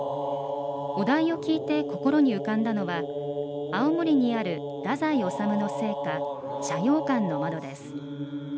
お題を聞いて心に浮かんだのは青森にある太宰治の生家斜陽館の窓です。